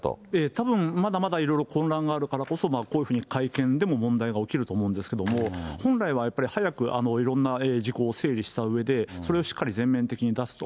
たぶん、まだまだ色々混乱があるからこそ、こういうふうに会見でも問題が起きると思うんですけども、本来はやっぱり早くいろんな事項を整理したうえで、それをしっかり全面的に出すと。